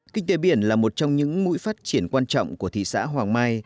kinh tế biển là một trong những mũi phát triển quan trọng của thị xã hoàng mai